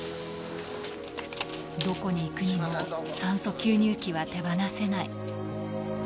どこに行くにも酸素吸入器は手放せない。